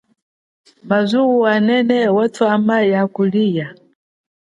Mazuwo anene, mwatwama ya kulia.